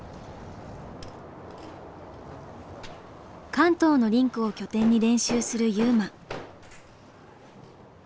関東のリンクを拠点に練習する優真。